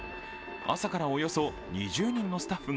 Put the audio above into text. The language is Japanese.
「朝からおよそ２０人のスタッフが」